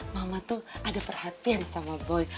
mama tuh ada perhatian sama boy